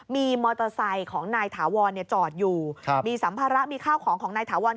มีมอเตอร์ไซค์ของนายถาวรจอดอยู่มีสัมภาระมีข้าวของของนายถาวร